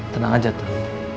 tenang aja tem